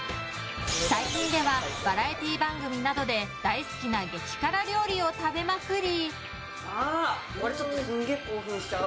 最近ではバラエティー番組などで大好きな激辛料理を食べまくり。